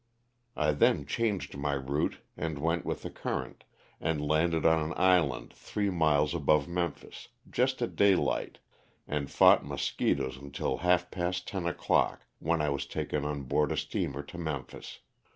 I then changed my route and went with the current, and landed on an island three miles LOSS OF THE SULTAKA. 345 above Memphis, just at daylight, and fought mosqui toes until half past ten o'clock when I was taken on board a steamer to Memphis.